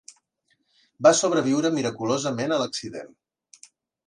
Va sobreviure miraculosament a l'accident.